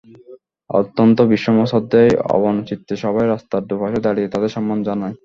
অত্যন্ত বিনম্র শ্রদ্ধায় অবনতচিত্তে সবাই রাস্তার দুপাশে দাঁড়িয়ে তাদের সম্মান জানায়।